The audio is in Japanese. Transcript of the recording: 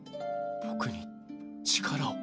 僕に力を。